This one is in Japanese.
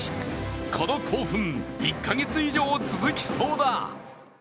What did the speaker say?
この興奮、１か月以上続きそうだ。